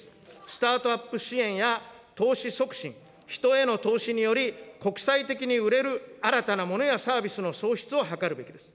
スタートアップ支援や、投資促進、人への投資により、国際的に売れる新たなモノやサービスの創出を図るべきです。